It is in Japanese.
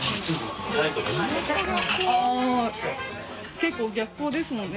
結構逆光ですもんね。